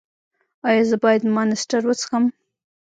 ایا زه باید مانسټر وڅښم؟